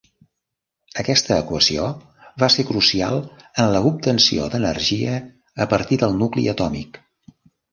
Aquesta equació va ser crucial en l'obtenció d'energia a partir del nucli atòmic.